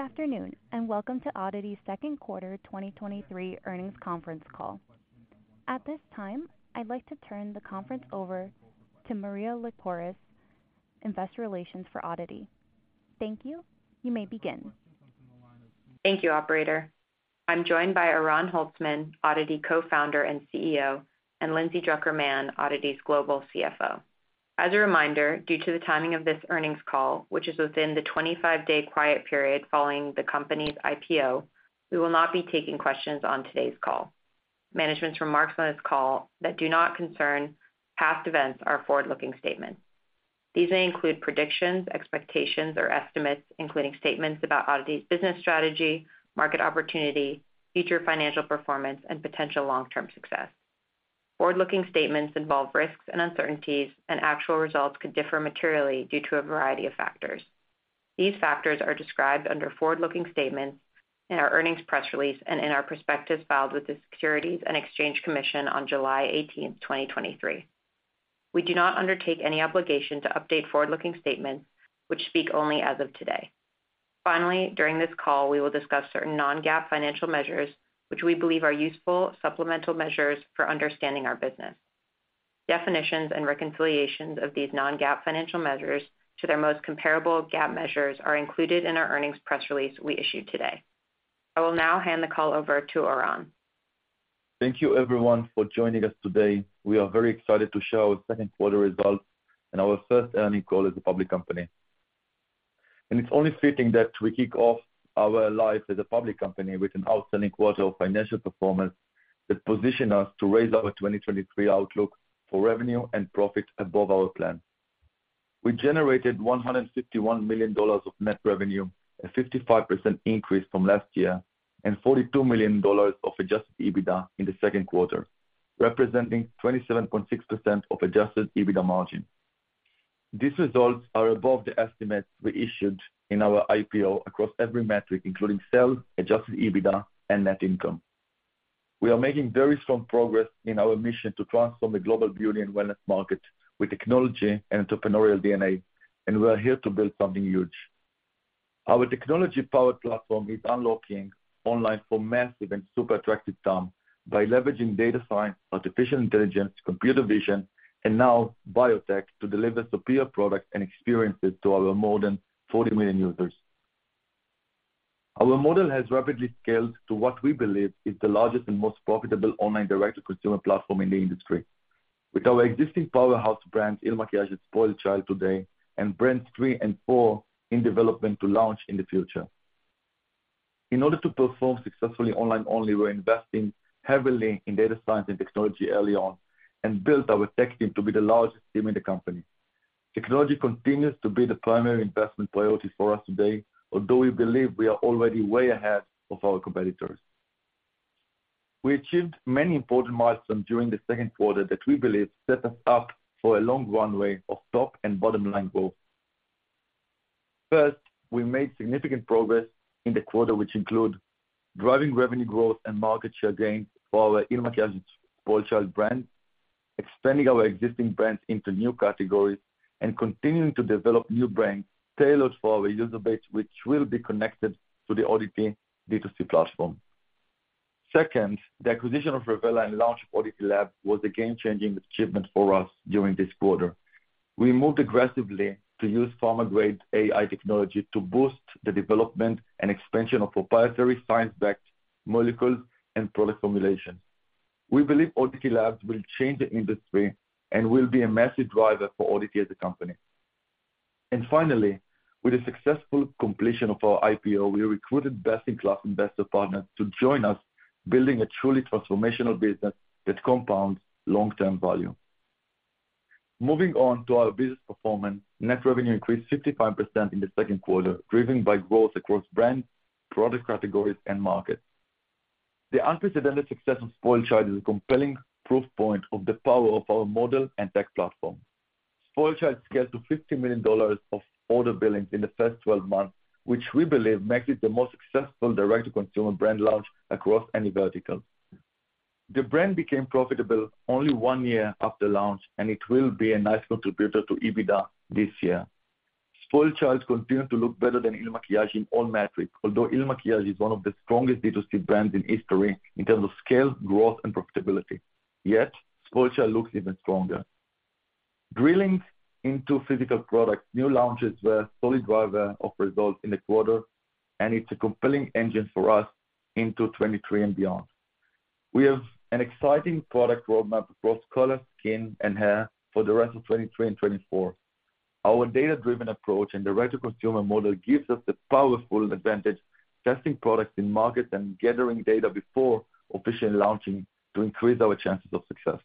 Good afternoon, welcome to ODDITY's Q2 2023 Earnings Conference Call. At this time, I'd like to turn the conference over to Maria Lycouris, Investor Relations for ODDITY. Thank you. You may begin. Thank you, operator. I'm joined by Oran Holtzman, ODDITY Co-Founder and CEO, and Lindsay Drucker Mann, ODDITY's Global CFO. As a reminder, due to the timing of this earnings call, which is within the 25-day quiet period following the company's IPO, we will not be taking questions on today's call. Management's remarks on this call that do not concern past events are forward-looking statements. These may include predictions, expectations or estimates, including statements about ODDITY's business strategy, market opportunity, future financial performance, and potential long-term success. Forward-looking statements involve risks and uncertainties, and actual results could differ materially due to a variety of factors. These factors are described under forward-looking statements in our earnings press release and in our prospectus filed with the Securities and Exchange Commission on July 18, 2023. We do not undertake any obligation to update forward-looking statements which speak only as of today. Finally, during this call, we will discuss certain non-GAAP financial measures, which we believe are useful supplemental measures for understanding our business. Definitions and reconciliations of these non-GAAP financial measures to their most comparable GAAP measures are included in our earnings press release we issued today. I will now hand the call over to Oran. Thank you, everyone, for joining us today. We are very excited to share our Q2 results and our first earning call as a public company. It's only fitting that we kick off our life as a public company with an outstanding quarter of financial performance that position us to raise our 2023 outlook for revenue and profit above our plan. We generated $151 million of net revenue, a 55% increase from last year, and $42 million of adjusted EBITDA in the Q2, representing 27.6% of adjusted EBITDA margin. These results are above the estimates we issued in our IPO across every metric including sales, adjusted EBITDA, and net income. We are making very strong progress in our mission to transform the global beauty and wellness market with technology and entrepreneurial DNA. We are here to build something huge. Our technology-powered platform is unlocking online for massive and super attractive TAM by leveraging data science, artificial intelligence, computer vision, and now biotech to deliver superior products and experiences to our more than 40 million users. Our model has rapidly scaled to what we believe is the largest and most profitable online direct-to-consumer platform in the industry. With our existing powerhouse brands, IL MAKIAGE and SpoiledChild today, and brands 3 and 4 in development to launch in the future. In order to perform successfully online only, we're investing heavily in data science and technology early on. Built our tech team to be the largest team in the company. Technology continues to be the primary investment priority for us today, although we believe we are already way ahead of our competitors. We achieved many important milestones during the Q2 that we believe set us up for a long runway of top and bottom line growth. First, we made significant progress in the quarter, which include driving revenue growth and market share gains for our IL MAKIAGE SpoiledChild brand, expanding our existing brands into new categories, and continuing to develop new brands tailored for our user base, which will be connected to the ODDITY D2C platform. Second, the acquisition of Revela and launch of ODDITY Lab was a game-changing achievement for us during this quarter. We moved aggressively to use pharma-grade AI technology to boost the development and expansion of proprietary, science-backed molecules and product formulations. We believe ODDITY Labs will change the industry and will be a massive driver for ODDITY as a company. Finally, with the successful completion of our IPO, we recruited best-in-class investor partners to join us, building a truly transformational business that compounds long-term value. Moving on to our business performance. Net revenue increased 55% in the Q2, driven by growth across brands, product categories, and markets. The unprecedented success of SpoiledChild is a compelling proof point of the power of our model and tech platform. SpoiledChild scaled to $50 million of order billings in the first 12 months, which we believe makes it the most successful direct-to-consumer brand launch across any vertical. The brand became profitable only one year after launch, and it will be a nice contributor to EBITDA this year. SpoiledChild continue to look better than IL MAKIAGE in all metrics, although IL MAKIAGE is one of the strongest D2C brands in history in terms of scale, growth, and profitability. Yet, SpoiledChild looks even stronger. Drilling into physical products, new launches were a solid driver of results in the quarter, and it's a compelling engine for us into 2023 and beyond. We have an exciting product roadmap across color, skin, and hair for the rest of 2023 and 2024. Our data-driven approach and direct-to-consumer model gives us the powerful advantage, testing products in market and gathering data before officially launching to increase our chances of success.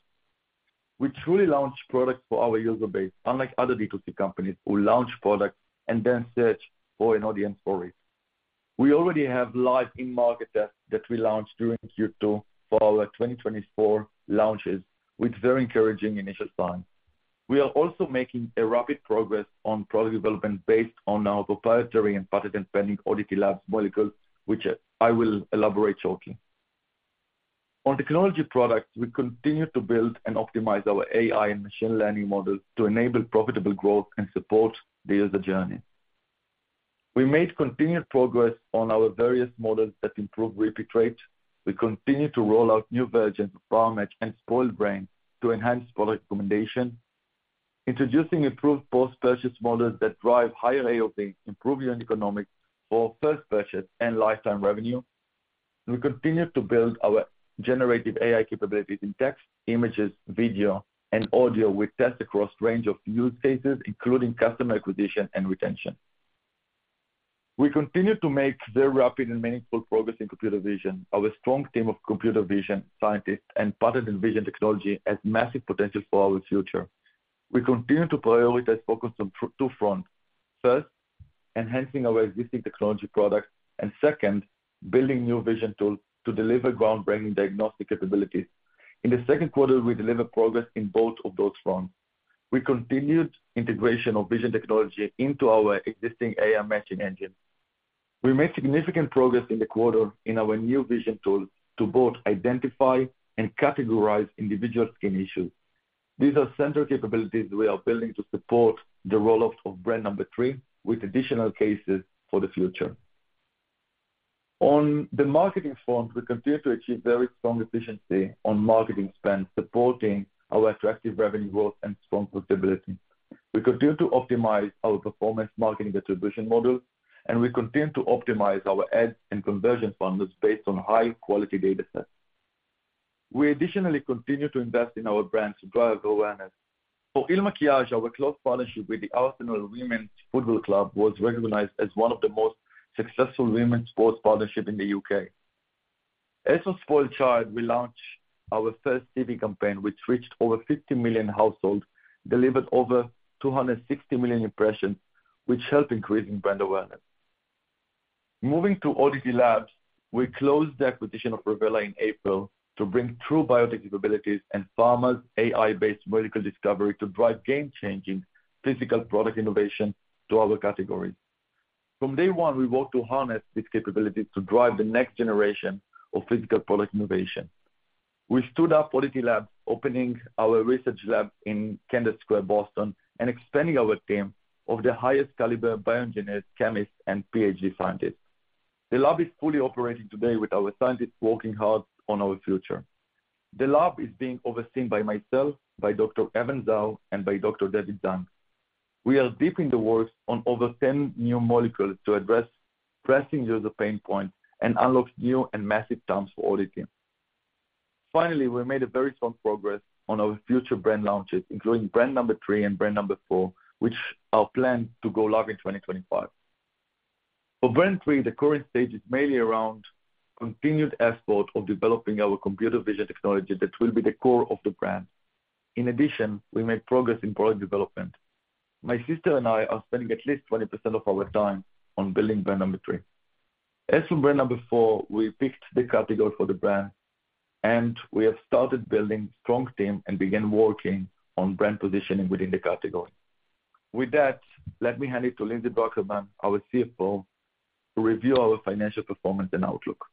We truly launch products for our user base, unlike other D2C companies who launch products and then search for an audience for it. We already have live in-market tests that we launched during Q2 for our 2024 launches, with very encouraging initial signs. We are also making a rapid progress on product development based on our proprietary and patent-pending ODDITY Labs molecules, which I will elaborate shortly. On technology products, we continue to build and optimize our AI and machine learning models to enable profitable growth and support the user journey. We made continued progress on our various models that improve repeat rate. We continue to roll out new versions of PowerMatch and SpoiledBrain to enhance product recommendation, introducing improved post-purchase models that drive higher AOV, improving economics for first purchase and lifetime revenue. We continue to build our generative AI capabilities in text, images, video, and audio. We test across a range of use cases, including customer acquisition and retention. We continue to make very rapid and meaningful progress in computer vision. Our strong team of computer vision scientists and partners in vision technology has massive potential for our future. We continue to prioritize focus on two fronts. First, enhancing our existing technology products, and second, building new vision tools to deliver ground-breaking diagnostic capabilities. In the Q2, we delivered progress in both of those fronts. We continued integration of vision technology into our existing AI matching engine. We made significant progress in the quarter in our new vision tool to both identify and categorize individual skin issues. These are central capabilities we are building to support the roll-out of brand number three, with additional cases for the future. On the marketing front, we continue to achieve very strong efficiency on marketing spend, supporting our attractive revenue growth and strong profitability. We continue to optimize our performance marketing distribution model; we continue to optimize our ads and conversion funnels based on high-quality data sets. We additionally continue to invest in our brands to drive awareness. For IL MAKIAGE, our close partnership with the Arsenal Women's Football Club was recognized as one of the most successful women's sports partnerships in the UK. As for SpoiledChild, we launched our first TV campaign, which reached over 50 million households, delivered over 260 million impressions, which helped increase in brand awareness. Moving to ODDITY Labs, we closed the acquisition of Revela in April to bring true biotech capabilities and pharma's AI-based medical discovery to drive game-changing physical product innovation to our categories. From day one, we worked to harness this capability to drive the next generation of physical product innovation. We stood up ODDITY Labs, opening our research lab in Kendall Square, Boston, and expanding our team of the highest caliber bioengineers, chemists, and PhD scientists. The lab is fully operating today, with our scientists working hard on our future. The lab is being overseen by myself, by Dr. Evan Zhao, and by Dr. David Zhang. We are deep in the works on over 10 new molecules to address pressing user pain points and unlock new and massive terms for ODDITY. Finally, we made a very strong progress on our future brand launches, including Brand 3 and Brand 4, which are planned to go live in 2025. For Brand 3, the current stage is mainly around continued effort of developing our computer vision technology that will be the core of the brand. In addition, we made progress in product development. My sister and I are spending at least 20% of our time on building brand number three. As for Brand 4, we picked the category for the brand, and we have started building strong team and began working on brand positioning within the category. With that, let me hand it to Lindsay Drucker Mann, our CFO, to review our financial performance and outlook.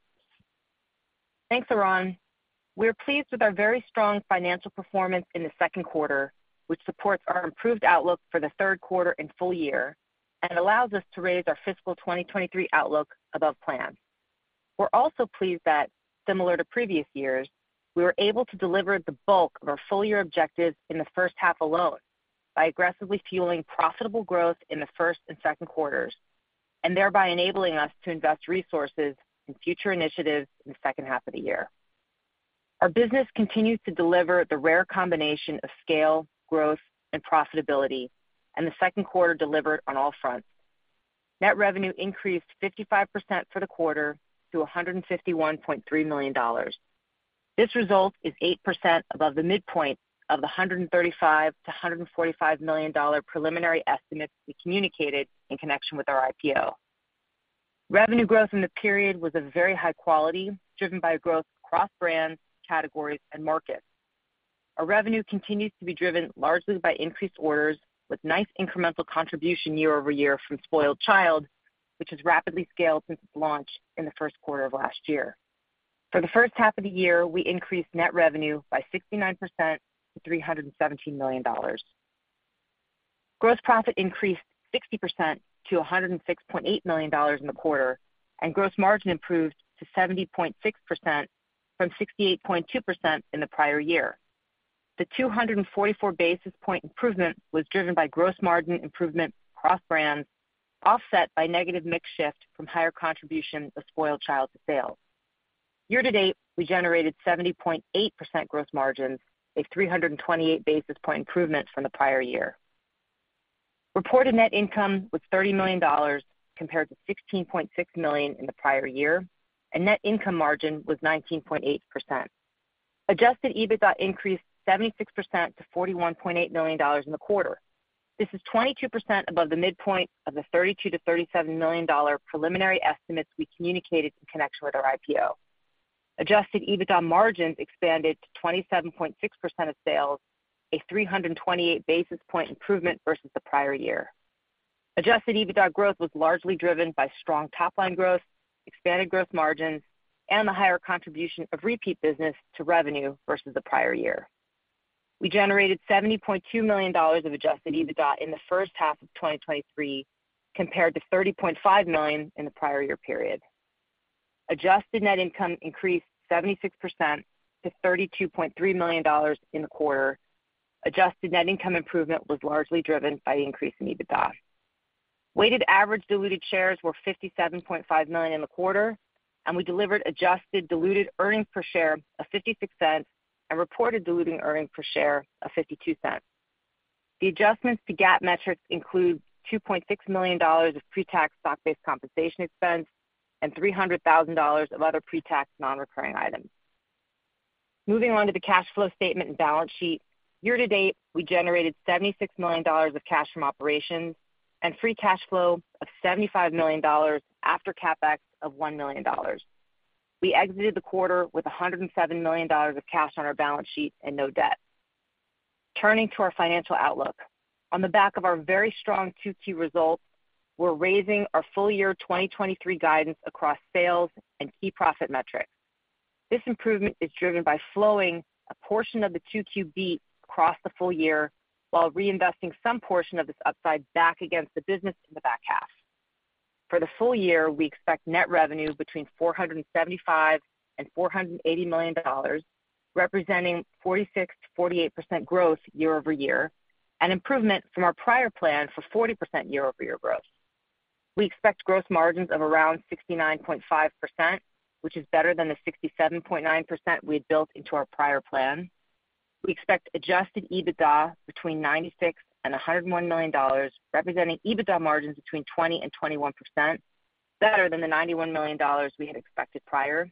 Thanks, Oran. We're pleased with our very strong financial performance in the Q2, which supports our improved outlook for the Q3 and full year, and allows us to raise our fiscal 2023 outlook above plan. We're also pleased that, similar to previous years, we were able to deliver the bulk of our full-year objectives in the first half alone by aggressively fueling profitable growth in the first and Q2s. And thereby enabling us to invest resources in future initiatives in the second half of the year. Our business continues to deliver the rare combination of scale, growth, and profitability, and the Q2 delivered on all fronts. Net revenue increased 55% for the quarter to $151.3 million. This result is 8% above the midpoint of the $135 million-$145 million preliminary estimates we communicated in connection with our IPO. Revenue growth in the period was of very high quality, driven by growth across brands, categories, and markets. Our revenue continues to be driven largely by increased orders, with nice incremental contribution year-over-year from SpoiledChild, which has rapidly scaled since its launch in the Q1 of last year. For the first half of the year, we increased net revenue by 69%-$317 million. Gross profit increased 60%-$106.8 million in the quarter, and gross margin improved to 70.6% from 68.2% in the prior year. The 244-basis point improvement was driven by gross margin improvement across brands, offset by negative mix shift from higher contribution of SpoiledChild sales. year-to-date, we generated 70.8% growth margins, a 328-basis point improvement from the prior year. Reported net income was $30 million, compared to $16.6 million in the prior year, and net income margin was 19.8%. Adjusted EBITDA increased 76% to $41.8 million in the quarter. This is 22% above the midpoint of the $32 million-$37 million preliminary estimates we communicated in connection with our IPO. Adjusted EBITDA margins expanded to 27.6% of sales, a 328-basis point improvement versus the prior year. Adjusted EBITDA growth was largely driven by strong top-line growth, expanded growth margins, and the higher contribution of repeat business to revenue versus the prior year. We generated $70.2 million of adjusted EBITDA in the first half of 2023, compared to $30.59 million in the prior year period. Adjusted net income increased 76% to $32.3 million in the quarter. Adjusted net income improvement was largely driven by the increase in EBITDA. Weighted average diluted shares were 57.5 million in the quarter, and we delivered adjusted diluted earnings per share of $0.56 and reported diluted earnings per share of $0.52. The adjustments to GAAP metrics include $2.6 million of pre-tax stock-based compensation expense and $300,000 of other pre-tax non-recurring items. Moving on to the cash flow statement and balance sheet. Year-to-date, we generated $76 million of cash from operations and free cash flow of $75 million after CapEx of $1 million. We exited the quarter with $107 million of cash on our balance sheet and no debt. Turning to our financial outlook. On the back of our very strong Q2 results, we're raising our full year 2023 guidance across sales and key profit metrics. This improvement is driven by flowing a portion of the Q2 beat across the full year, while reinvesting some portion of this upside back against the business in the back half. For the full year, we expect net revenue between $475 million and $480 million, representing 46%-48% growth year-over-year, an improvement from our prior plan for 40% year-over-year growth. We expect growth margins of around 69.5%, which is better than the 67.9% we had built into our prior plan. We expect adjusted EBITDA between $96 million and $101 million, representing EBITDA margins between 20% and 21%, better than the $91 million we had expected prior,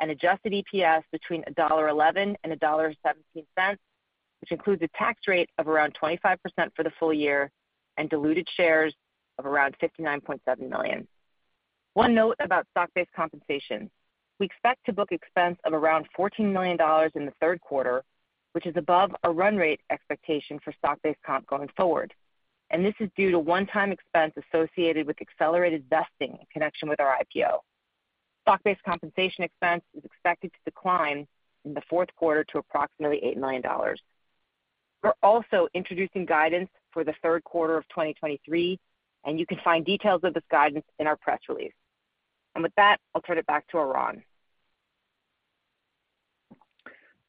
and adjusted EPS between $1.11 and $1.17, which includes a tax rate of around 25% for the full year and diluted shares of around $59.7 million. One note about stock-based compensation. We expect to book expense of around $14 million in the Q3, which is above our run rate expectation for stock-based comp going forward, and this is due to one-time expense associated with accelerated vesting in connection with our IPO. Stock-based compensation expense is expected to decline in the Q4 to approximately $8 million. We're also introducing guidance for the Q3 of 2023, and you can find details of this guidance in our press release. With that, I'll turn it back to Oran.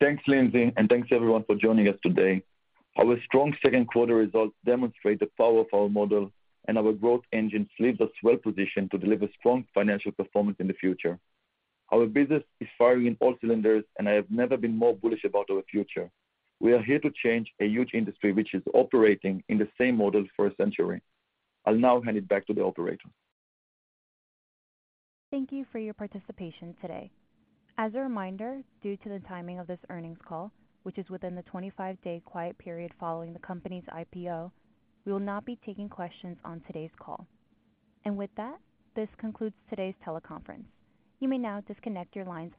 Thanks, Lindsay. Thanks everyone for joining us today. Our strong Q2 results demonstrate the power of our model. Our growth engine leaves us well positioned to deliver strong financial performance in the future. Our business is firing in all cylinders. I have never been more bullish about our future. We are here to change a huge industry which is operating in the same model for a century. I'll now hand it back to the operator. Thank you for your participation today. As a reminder, due to the timing of this earnings call, which is within the 25-day quiet period following the company's IPO, we will not be taking questions on today's call. With that, this concludes today's teleconference. You may now disconnect your lines.